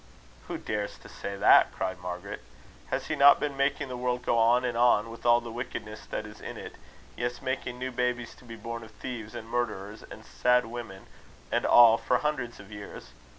"Who dares to say that?" cried Margaret. "Has he not been making the world go on and on, with all the wickedness that is in it; yes, making new babies to be born of thieves and murderers and sad women and all, for hundreds of years?